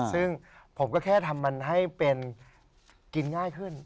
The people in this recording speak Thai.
ซึ่งผมก็แค่ทำมันให้เป็นกินง่ายขึ้น